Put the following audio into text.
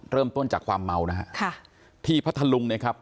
เริ่มต้นจากความเมานะฮะค่ะที่พัทธลุงนะครับ